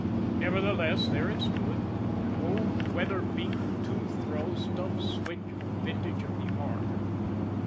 Nevertheless, there it stood, an old weather beaten, two throw, stub switch of the vintage of the ark.